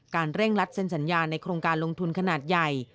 เร่งรัดเซ็นสัญญาในโครงการลงทุนขนาดใหญ่